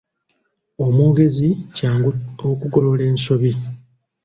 Omwogezi kyangu okugolola ensobi.